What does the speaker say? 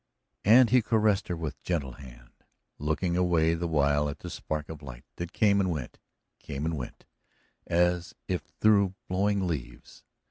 And he caressed her with gentle hand, looking away the while at the spark of light that came and went, came and went, as if through blowing leaves.